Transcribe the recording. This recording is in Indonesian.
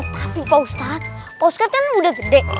tapi pak ustadz pak ustadz kan udah gede